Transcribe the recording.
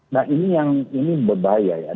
nah ini yang ini berbahaya ya